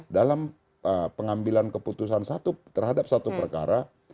dalam pengambilan keputusan satu terhadap satu perkara